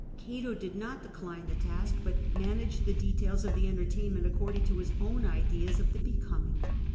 Cato did not decline the task, but managed the details of the entertainment according to his own ideas of the becoming.